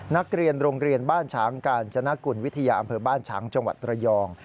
นักเรียนโรงเรียนบ้านฉางกาญจนกุลวิทยาอำเภอบ้านฉางจังหวัดระยอง